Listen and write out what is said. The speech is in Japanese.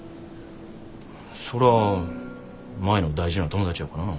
そら舞の大事な友達やからな。